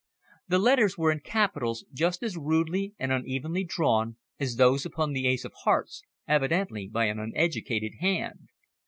The letters were in capitals just as rudely and unevenly drawn as those upon the ace of hearts, evidently by an uneducated hand.